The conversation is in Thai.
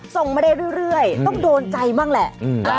ส่งมาได้เรื่อยต้องโดนใจบ้างแหละ